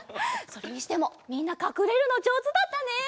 それにしてもみんなかくれるのじょうずだったね。